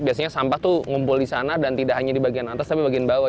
biasanya sampah tuh ngumpul di sana dan tidak hanya di bagian atas tapi bagian bawah